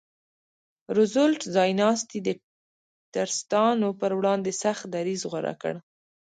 روزولټ ځایناستي د ټرستانو پر وړاندې سخت دریځ غوره کړ.